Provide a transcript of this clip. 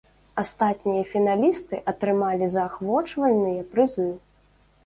Астатнія фіналісты атрымалі заахвочвальныя прызы.